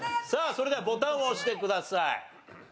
さあそれではボタンを押してください。